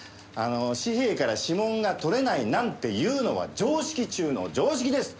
紙幣から指紋がとれないなんていうのは常識中の常識です。